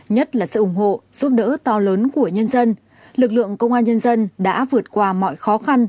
nhất là sự ủng hộ giúp đỡ to lớn của nhân dân lực lượng công an nhân dân đã vượt qua mọi khó khăn